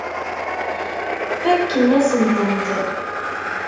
Fakkent-asen-tent.